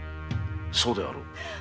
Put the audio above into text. そうであろう？